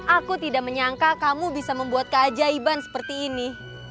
aku tidak menyangka kamu bisa membuat keajaiban seperti ini